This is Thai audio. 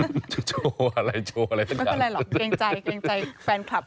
ไม่เป็นไรหรอกเกรงใจแฟนคลับ